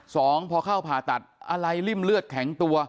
สองพอเข้าผ่าตัดอะไรริ่มเลือดแข็งตัว